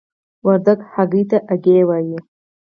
وردګ هګۍ ته آګۍ وايي.